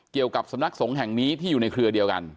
เกี่ยวกับสำนักสงฆ์แห่งนี้ที่อยู่ในเครือเดียวกัน